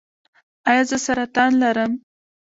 ایا زه سرطان لرم؟